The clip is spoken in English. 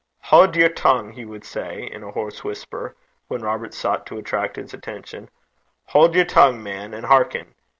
'Haud yer tongue!' he would say in a hoarse whisper, when Robert sought to attract his attention; 'haud yer tongue, man, and hearken.